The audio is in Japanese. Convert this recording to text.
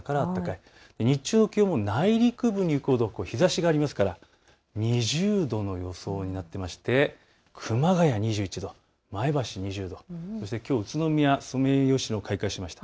日中の気温も内陸部に行くほど日ざしがありますから２０度の予想になっていまして熊谷２１度、前橋２０度、そしてきょう宇都宮ソメイヨシノ開花しました。